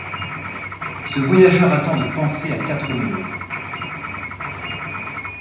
Ce voyageur attend de penser à quatre mérous.